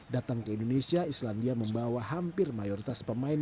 datang ke indonesia islandia membawa hampir mayoritas pemain